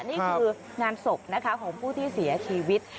นี่คืองานศพนะคะของผู้ที่เสียชีวิต